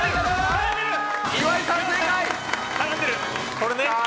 これね。